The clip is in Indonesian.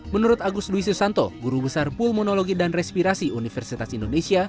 menurut agus dwi susanto guru besar pulmonologi dan respirasi universitas indonesia